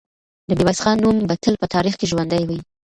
د میرویس خان نوم به تل په تاریخ کې ژوندی وي.